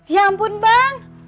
ya ampun bang